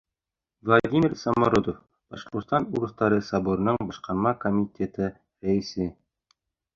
Владимир САМОРОДОВ, Башҡортостан урыҫтары соборының башҡарма комитеты рәйесе: